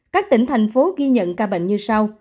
các tỉnh thành phố ghi nhận ca bệnh như sau